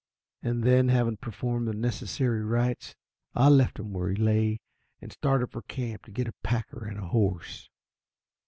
And then, having performed the necessary rites, I left him where he lay, and started for camp to get a packer and a horse.